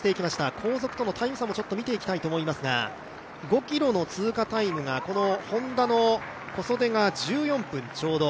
後続とのタイム差を見ておきたいと思いますが５ｋｍの通過タイムがＨｏｎｄａの小袖が１４分ちょうど。